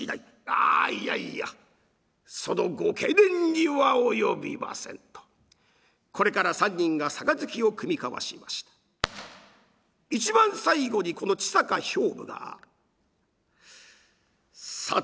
「ああいやいやそのご懸念には及びません」とこれから３人が杯を酌み交わしまして一番最後にこの千坂兵部が「さて御両所この千坂兵部お二人を